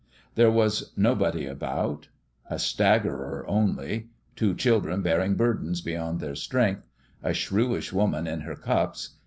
There was nobody about : a staggerer, only two children bearing burdens beyond their strength a shrewish woman in her cups.